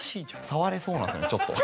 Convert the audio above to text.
触れそうなんですよねちょっと。